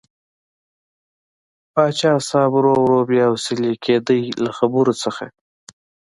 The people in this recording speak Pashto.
پاچا صاحب ورو ورو بې حوصلې کېده له خبرو نه.